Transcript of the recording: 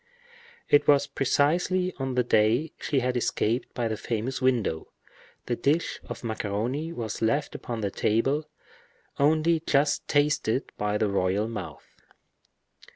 It was precisely on the day she had escaped by the famous window. The dish of macaroni was left upon the table, only just tasted by the royal mouth.